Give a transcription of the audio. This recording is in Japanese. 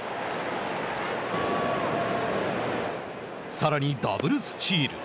さらにダブルスチール。